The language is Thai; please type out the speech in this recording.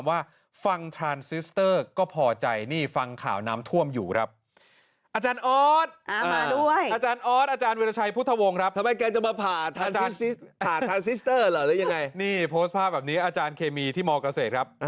หรือยังไงนี่โพสต์ภาพแบบนี้อาจารย์เคมีที่มเกษตรครับ